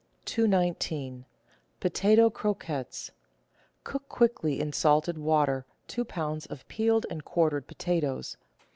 219— POTATO CROQUETTES Cook quickly in salted water two lb. of peeled and quartered potatoes.